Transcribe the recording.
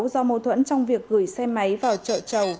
do mô thuẫn trong việc gửi xe máy vào chợ trầu